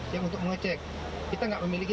yang untuk mengecek kita tidak memiliki